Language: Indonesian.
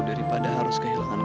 daripada harus kehilangan kamu